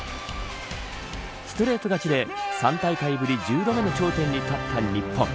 ストレート勝ちで、３大会ぶり１０度目の頂点に立った日本。